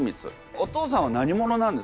お父さんは何者なんですか？